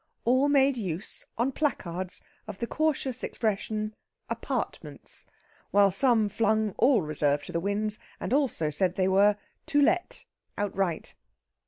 All made use, on placards, of the cautious expression "Apartments"; while some flung all reserve to the winds and said also they were "To let" outright.